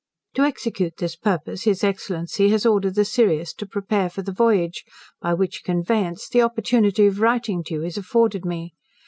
To execute this purpose his Excellency has ordered the Sirius to prepare for the voyage; by which conveyance the opportunity of writing to you is afforded me.